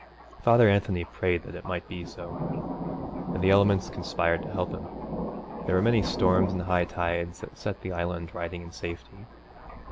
Father Anthony prayed that it might be so, and the elements conspired to help him. There were many storms and high tides that set the Island riding in safety.